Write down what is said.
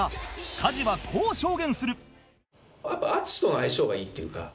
加地はこう証言する